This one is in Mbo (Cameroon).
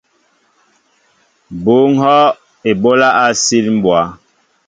Bŭ ŋhɔʼ eɓólá á sil mbwá.